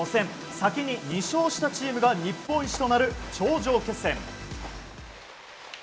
先に２勝したチームが日本一となる頂上決戦。